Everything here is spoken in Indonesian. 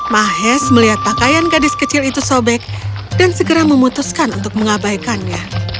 mahes melihat pakaian gadis kecil itu sobek dan segera memutuskan untuk mengabaikannya